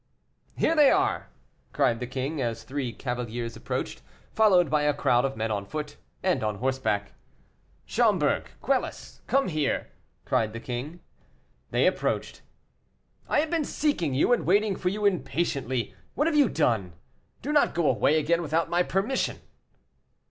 "Here they are!" cried the king, as three cavaliers approached, followed by a crowd of men on foot and on horseback. "Schomberg! Quelus! come here," cried the king. They approached. "I have been seeking you, and waiting for you impatiently. What have you done? Do not go away again without my permission."